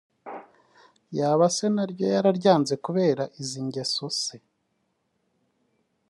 Yaba se naryo yararyanze kubera izi ngeso se